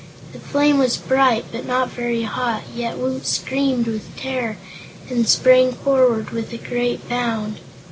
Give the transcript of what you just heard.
The flame was bright, but not very hot, yet Woot screamed with terror and sprang forward with a great bound.